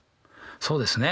そうですね。